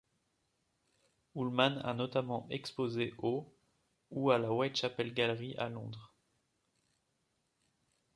Ulman a notamment exposé au ou à la Whitechapel Gallery à Londres.